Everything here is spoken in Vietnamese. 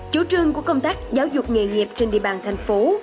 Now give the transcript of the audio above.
chủ trương của công tác giáo dục nghề nghiệp trên địa bàn thành phố